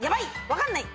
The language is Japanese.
分かんない。